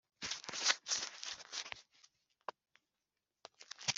bishyira kuri busanza-nord